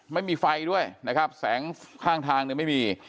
ไม่มีไฟด้วยนะครับแสงข้างทางเนี่ยไม่มี